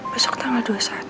besok tanggal dua puluh satu